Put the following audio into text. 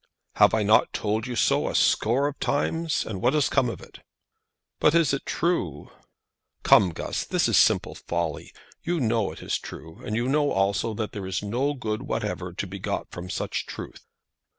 "Have I not told you so a score of times; and what has come of it?" "But is it true?" "Come, Guss, this is simple folly. You know it is true; and you know, also, that there is no good whatever to be got from such truth."